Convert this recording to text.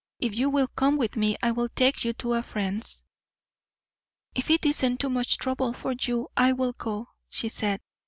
If you will come with me I will take you to a friend's." "If it isn't too much trouble for you, I will go," she said.